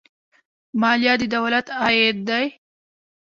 مالیه د دولت عاید دی